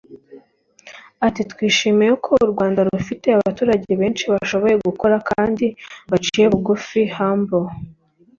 Ati"Twishimiye ko u Rwanda rufite abaturage benshi bashoboye gukora kandi baciye bugufi(humble)